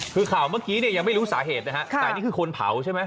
คือข่าวเมื่อกี้เนี่ยยังไม่รู้สาเหตุนะฮะแต่นี่คือคนเผาใช่ไหม